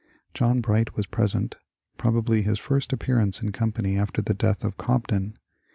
John Bright was present, — probably his first appearance in company after the death of Cobden.